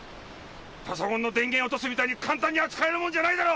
パソコンの電源落とすみたいに簡単に扱えるもんじゃないだろ！